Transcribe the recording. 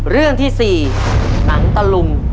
เรื่องที่๔หนังตะลุง